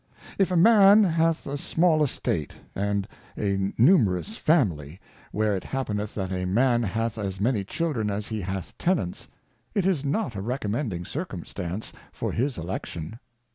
If a Man hath a small Estate, and a numerous Family; L a where 148 Cautions for Choice of where it happeneth that a Man hath as many Children as he hath Tenants, It is not a Recommending Circumstance for his Election.